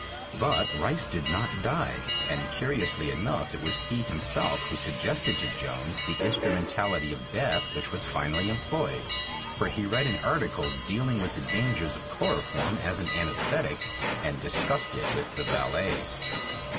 But Rice did not die, and curiously enough it was he himself who suggested to Jones the instrumentality of death which was finally employed, for he read an article dealing with the dangers of chloroform as an anaesthetic, and discussed it with the valet.